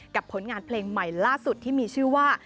ผลงานเพลงใหม่ล่าสุดที่มีชื่อว่า